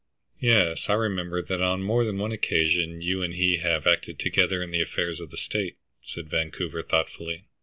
"Yes, I remember that on more than one occasion you and he have acted together in the affairs of the state," said Vancouver, thoughtfully.